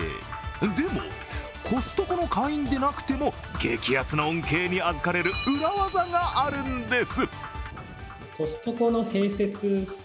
でも、コストコの会員でなくても激安の恩恵にあずかれる裏技があるんです。